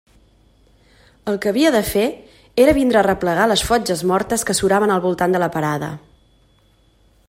El que havia de fer era vindre a arreplegar les fotges mortes que suraven al voltant de la parada.